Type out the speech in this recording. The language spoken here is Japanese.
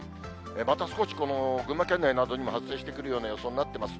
また少しこの群馬県内などにも発生してくるような予想になっています。